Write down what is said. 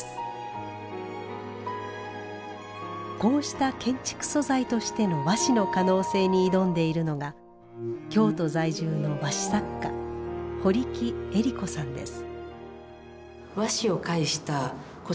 こうした建築素材としての和紙の可能性に挑んでいるのが京都在住の和紙作家堀木エリ子さんです。